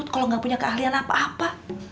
kalau nggak punya keahlian apa apa